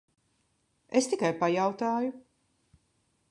Es tikai pajautāju.